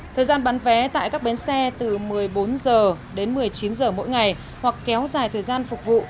thời gian bán vé tại các bến xe từ một mươi bốn h đến một mươi chín h mỗi ngày hoặc kéo dài thời gian phục vụ